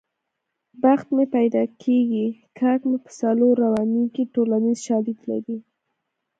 بخت مې پیدارېږي کاک مې په څلور روانېږي ټولنیز شالید لري